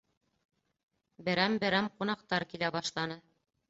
Берәм-берәм ҡунаҡтар килә башланы.